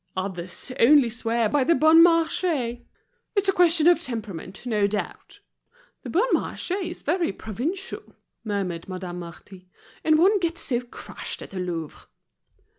Others only swear by the Bon Marche. It's a question of temperament, no doubt." "The Bon Marché is very provincial," murmured Madame Marty, "and one gets so crushed at the Louvre."